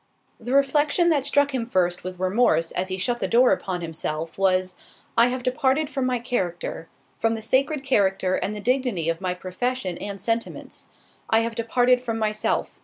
The reflection that struck him first with remorse, as he shut the door upon himself, was:—"I have departed from my character—from the sacred character, and the dignity of my profession and sentiments—I have departed from myself.